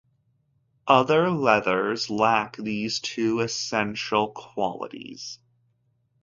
Other leathers lack these two essential qualities.